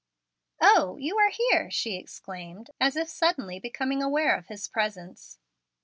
"O, you are here!" she exclaimed, as if suddenly becoming aware of his presence.